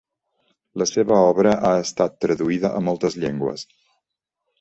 La seva obra ha estat traduïda a moltes llengües.